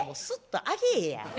スッとあげえや。